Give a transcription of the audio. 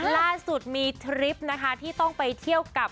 ล่าสุดมีทริปนะคะที่ต้องไปเที่ยวกับ